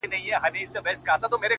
• په دې پردي وطن كي؛